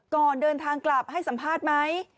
ก่อนเดินทางกลับให้สัมภาษณ์ไหม